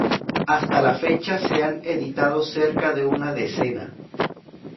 Hasta la fecha se han editado cerca de una decena.